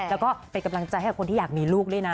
แล้วก็เป็นกำลังใจให้กับคนที่อยากมีลูกด้วยนะ